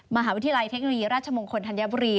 มหาวิทยาลัยเทคโนโลยีราชมงคลธัญบุรี